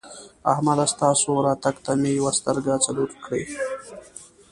احمده! ستاسو راتګ ته مې یوه سترګه څلور کړې.